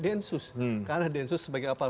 densus karena densus sebagai apal